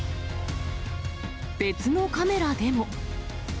別のカメラでも。